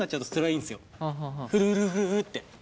フルフルフルって。